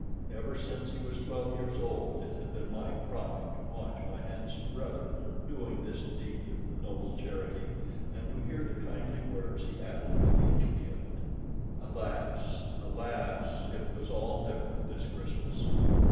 Ever since he was twelve years old it had been my pride to watch my handsome brother doing this deed of noble charity, and to hear the kindly words he added with each gift. Alas! alas! it was all different this Christmas.